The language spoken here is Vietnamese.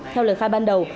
theo lời khai ban đầu